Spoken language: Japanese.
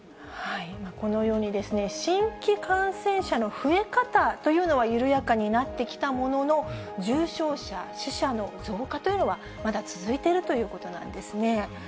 このように新規感染者の増え方というのは緩やかになってきたものの、重症者、死者の増加というのは、まだ続いているということなんですね。